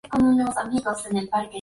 Liberado, volvió a Lima.